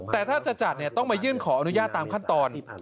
แต่ถ้าจะจัดต้องมายื่นขออนุญาตตามขั้นตอน